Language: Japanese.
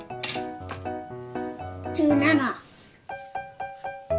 １７。